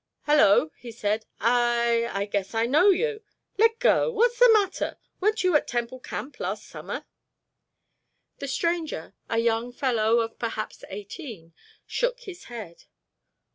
"Hello," he said, "I—I guess I know you. Let go—what's the matter? Weren't you at Temple Camp last summer?" The stranger, a young fellow of perhaps eighteen, shook his head.